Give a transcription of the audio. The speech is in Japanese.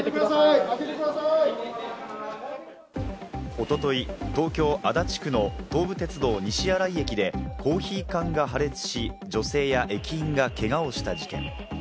一昨日、東京・足立区の東武鉄道・西新井駅でコーヒー缶が破裂し、女性や駅員がけがをした事件。